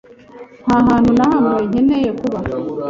Nta hantu na hamwe nkeneye kuba.